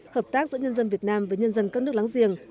hợp tác giữa nhân dân việt nam với nhân dân các nước láng giềng